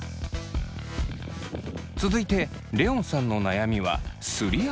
続いてレオンさんの悩みはすり足。